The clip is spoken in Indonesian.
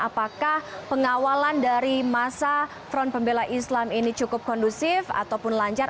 apakah pengawalan dari masa front pembela islam ini cukup kondusif ataupun lancar